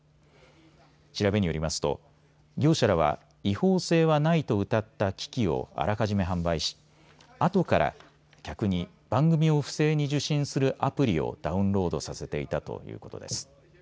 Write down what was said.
調べによりますと業者らは違法性はないとうたった機器をあらかじめ販売しあとから客に番組を不正に受信するアプリをダウンロードさせていたということです。